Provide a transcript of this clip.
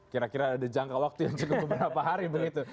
kira kira ada jangka waktu yang cukup beberapa hari begitu